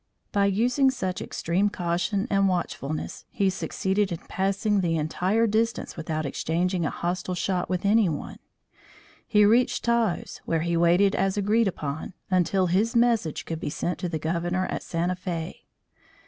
By using such extreme caution and watchfulness, he succeeded in passing the entire distance without exchanging a hostile shot with anyone. He reached Taos, where he waited as agreed upon, until his message could be sent to the Governor at Santa Fe.